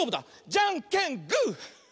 じゃんけんグー！